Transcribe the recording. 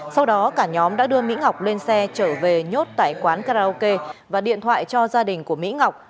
sau đó cả nhóm đã đưa mỹ ngọc lên xe trở về nhốt tại quán karaoke và điện thoại cho gia đình của mỹ ngọc